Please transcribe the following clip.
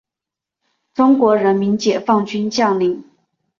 中国人民解放军将领。